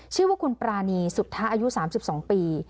ชื่อว่าคุณปรานีสุทธาอายุ๓๒ปี